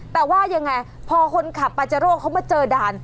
แต่ว่ายังไงพอคนขับปาเจโร่เขามาเจอด่าน